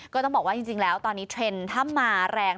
ก็ต้องบอกว่าจริงแล้วตอนนี้เทรนด์ถ้ามาแรง